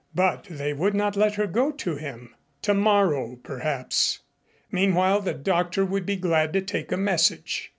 But they would not let her go to him. Tomorrow perhaps. Meanwhile the doctor would be glad to take a message.